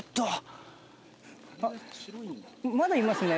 まだいますね。